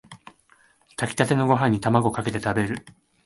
炊きたてのご飯にタマゴかけて食べる